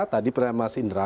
tadi pernah mas indra